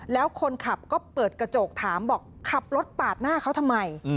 แล้วคนขับก็เปิดกระจกถามบอกขับรถปาดหน้าเขาทำไม